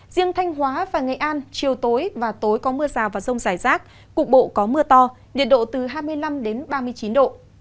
riêng thanh hóa và nghệ an chiều tối và tối có mưa rào và rông rải rác cục bộ có mưa to nhiệt độ từ hai mươi năm ba mươi chín độ